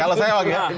kalau saya lagi ya